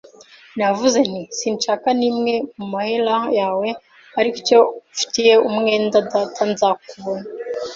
Navuze nti: “Sinshaka n'imwe mu mahera yawe, ariko icyo ufitiye umwenda data. Nzakubona